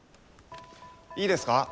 いいですか？